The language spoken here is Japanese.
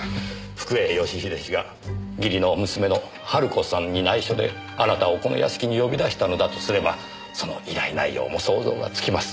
福栄義英氏が義理の娘の晴子さんに内緒であなたをこの屋敷に呼び出したのだとすればその依頼内容も想像がつきます。